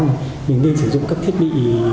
mình nên sử dụng các thiết bị